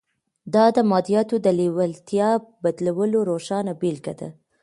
دا د مادیاتو د لېوالتیا بدلولو روښانه بېلګه ده